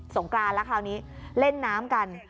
งกรานแล้วคราวนี้เล่นน้ำกัน